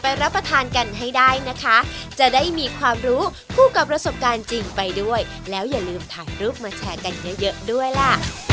รับประทานกันให้ได้นะคะจะได้มีความรู้คู่กับประสบการณ์จริงไปด้วยแล้วอย่าลืมถ่ายรูปมาแชร์กันเยอะด้วยล่ะ